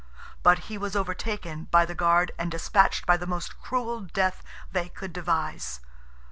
But he was overtaken by the guard, and despatched by the most cruel death they could devise.